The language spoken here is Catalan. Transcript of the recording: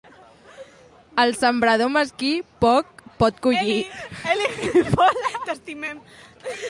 El sembrador mesquí poc pot collir.